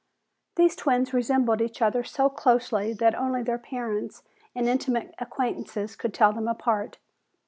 These twins resembled each other so closely that only their parents and intimate acquaintances could tell them apart.